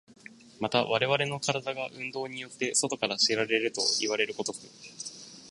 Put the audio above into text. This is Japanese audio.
また我々の身体が運動によって外から知られるといわれる如く、